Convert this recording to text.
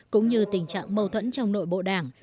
cũng như tình trạng mâu thuẫn trong nội bộ đảng